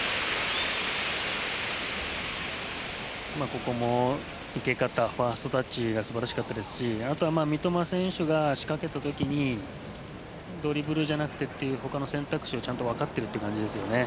ここも受け方ファーストタッチが素晴らしかったですしあとは三笘選手が仕掛けた時、ドリブルじゃなくて他の選択肢をちゃんと分かってるという感じですよね。